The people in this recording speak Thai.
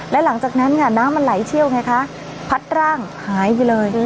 และหลังจากนั้นค่ะน้ำมันไหลเชี่ยวไงคะพัดร่างหายไปเลย